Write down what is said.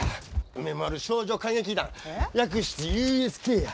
梅丸少女歌劇団略してＵＳＫや。